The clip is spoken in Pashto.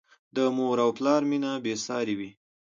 د مور او پلار مینه بې سارې وي.